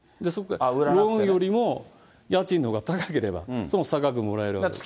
ローンよりも家賃のほうが高ければ、その差額もらえるわけです。